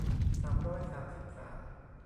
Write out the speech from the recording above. สามร้อยสามสิบสาม